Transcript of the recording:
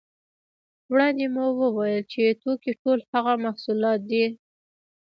وړاندې مو وویل چې توکي ټول هغه محصولات دي